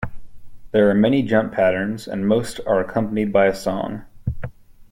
There are many jump patterns and most are accompanied by a song.